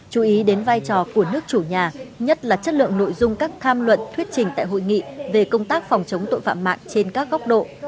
chú ý đến vai trò của nước chủ nhà nhất là chất lượng nội dung các tham luận thuyết trình tại hội nghị về công tác phòng chống tội phạm mạng trên các góc độ